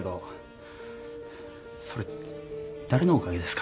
それ誰のおかげですか？